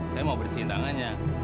saya mau bersihin tangannya